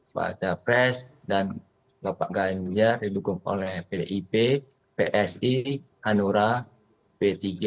baca pres dan bapak ganjar pranowo dilukung oleh pdip psi hanura p tiga